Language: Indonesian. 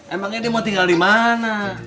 emangnya dia mau tinggal dimana